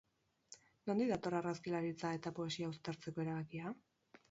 Nondik dator argazkilaritza eta poesia uztartzeko erabakia?